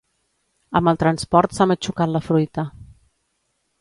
Amb el transport s'ha matxucat la fruita.